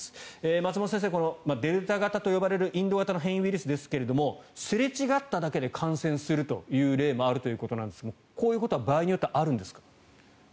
松本先生、デルタ型と呼ばれるインド型の変異ウイルスですがすれ違っただけで感染する例もあるということですがこういうことは場合によってはあるんですか？